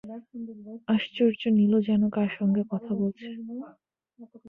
আশ্চর্য নীলু যেন কার সঙ্গে কথা বলছে।